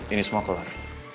ini semua kelar